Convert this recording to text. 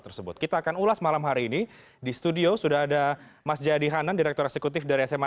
mas edy selamat malam